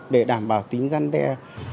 để đảm bảo tính gian đồng